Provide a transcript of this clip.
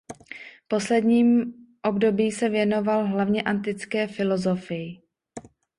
V posledním období se věnoval hlavně antické filosofii.